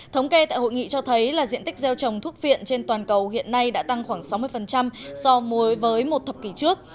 thống kê tại hội nghị cho thấy là diện tích gieo trồng thuốc phiện trên toàn cầu hiện nay đã tăng khoảng sáu mươi so với một thập kỷ trước